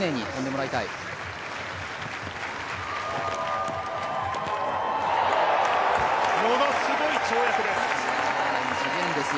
ものすごい跳躍です。